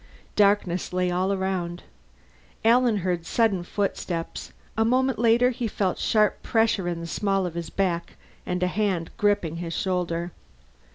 Darkness lay all around. Alan heard sudden footsteps; a moment later he felt sharp pressure in the small of his back and a hand gripping his shoulder.